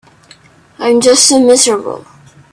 I'm just too miserable.